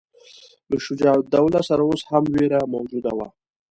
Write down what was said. له شجاع الدوله سره اوس هم وېره موجوده وه.